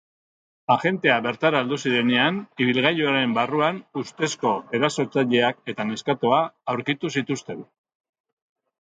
Agenteak bertara heldu zirenean, ibilgailuaren barruan ustezko erasotzaileak eta neskatoa aurkitu zituzten.